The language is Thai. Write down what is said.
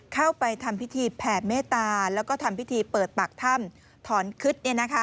เข้าไปทำพิธีแผ่เมตตาแล้วก็ทำพิธีเปิดปากถ้ำถอนคึด